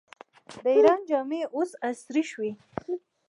د ایران جامې اوس عصري شوي.